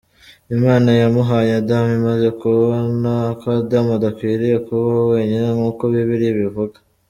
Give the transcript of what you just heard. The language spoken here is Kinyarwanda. Imana yamuhaye Adam imaze kubona ko Adam adakwiriye kubaho wenyine nk’uko Bibiliya ibivuga.